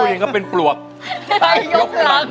พูดยังเป็นปลวกตายทั้งหลัง